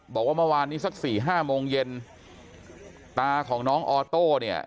บอกว่าเมื่อวานนี้สักสี่ห้าโมงเย็นตาของน้องออโต้เนี่ย